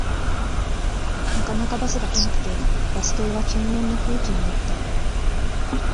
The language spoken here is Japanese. なかなかバスが来なくてバス停は険悪な空気になった